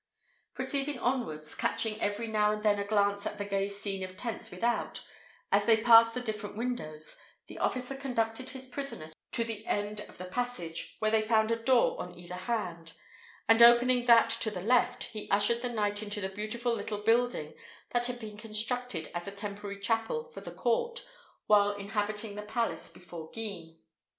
Proceeding onwards, catching every now and then a glance at the gay scene of tents without, as they passed the different windows, the officer conducted his prisoner to the end of the passage, where they found a door on either hand; and, opening that to the left, he ushered the knight into the beautiful little building that had been constructed as a temporary chapel for the court, while inhabiting the palace before Guisnes.